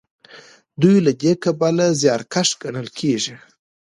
دوی له دې کبله زیارکښ ګڼل کیږي.